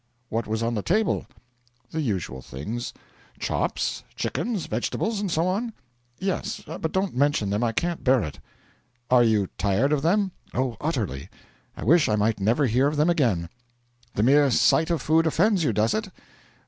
'What was on the table?' 'The usual things.' 'Chops, chickens, vegetables, and so on?' 'Yes; but don't mention them I can't bear it.' 'Are you tired of them?' 'Oh, utterly. I wish I might never hear of them again.' 'The mere sight of food offends you, does it?'